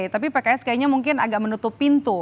tapi pks kayaknya mungkin agak menutup pintu